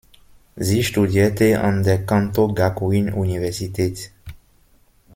Sie studierte an der Kantō-Gakuin-Universität.